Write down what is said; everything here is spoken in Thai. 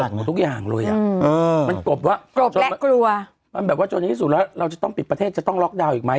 มันโกบกับทุกอย่างเลยมันโกบว่าโกบและกลัวแบบว่าจนที่สุดแล้วเราจะต้องปิดประเทศจะต้องล็อกดาวน์อีกไหม